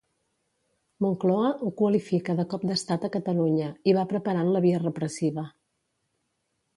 Moncloa ho qualifica de cop d'estat a Catalunya, i va preparant la via repressiva.